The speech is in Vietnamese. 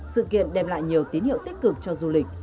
sự kiện đem lại nhiều tín hiệu tích cực cho du lịch